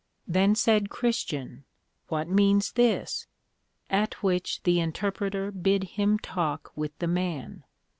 Then said Christian, What means this? At which the Interpreter bid him talk with the Man.